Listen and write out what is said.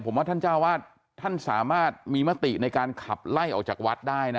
ผมว่าท่านเจ้าวาดท่านสามารถมีมติในการขับไล่ออกจากวัดได้นะ